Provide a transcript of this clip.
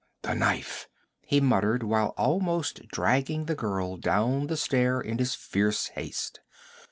'The knife!' he muttered, while almost dragging the girl down the stair in his fierce haste.